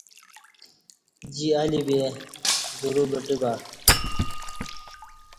جی الی بے درو بٹہ بہ